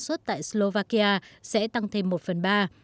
xuất tại slovakia sẽ tăng thêm một phần ba